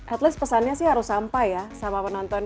at least pesannya sih harus sampai ya sama penonton